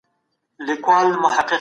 ملتونه ولي نړیوالي اړیکي پراخوي؟